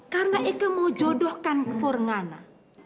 karena eka mau jodohkan ke vorengana